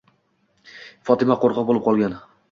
Fotima qoʻrqoq boʻlib qolgan.